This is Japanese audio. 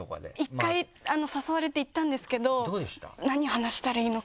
１回誘われて行ったんですけど何話したらいいのか。